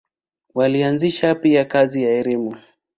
Walianzisha pia kazi ya elimu.